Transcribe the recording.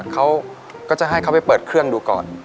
เขาก็จะให้เขาไปเปิดเครื่องดูก่อน